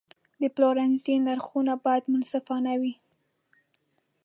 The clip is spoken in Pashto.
د پلورنځي نرخونه باید منصفانه وي.